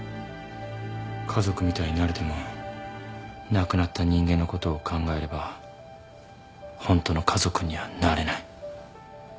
家族みたいになれても亡くなった人間のことを考えればホントの家族にはなれない。